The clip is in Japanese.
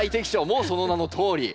もうその名のとおり。